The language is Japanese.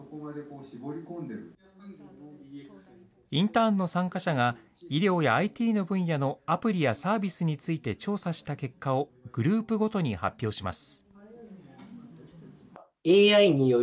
インターンの参加者が医療やＩＴの分野のアプリやサービスについて調査した結果をグループごとに発表します。